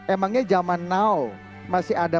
emangnya zaman now masih ada